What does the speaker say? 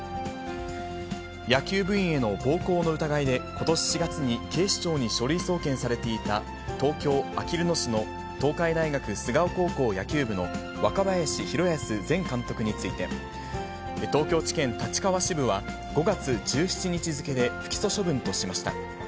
野球部員への暴行の疑いで、ことし４月に警視庁に書類送検されていた、東京・あきる野市の東海大学菅生高校野球部の若林弘泰前監督について、東京地検立川支部は、５月１７日付で不起訴処分としました。